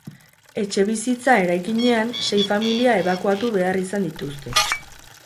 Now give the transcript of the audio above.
Etxebizitza eraikinean, sei familia ebakuatu behar izan dituzte.